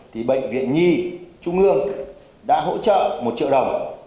thì bệnh viện nhi trung ương đã hỗ trợ một triệu đồng